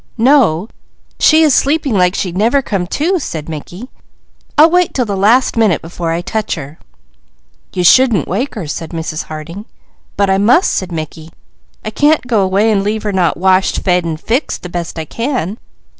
"No. She is sleeping like she'd never come to," said Mickey. "I'll wait 'til the last minute before I touch her." "You shouldn't wake her," said Mrs. Harding. "But I must," said Mickey. "I can't go away and leave her not washed, fed, and fixed the best I can."